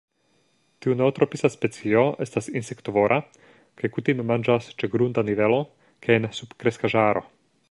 Tiu neotropisa specio estas insektovora kaj kutime manĝas ĉe grunda nivelo kaj en subkreskaĵaro.